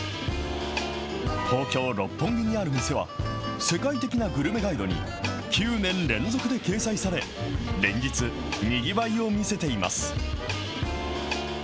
東京・六本木にある店は、世界的なグルメガイドに９年連続で掲載され、連日、にぎわいを見せています。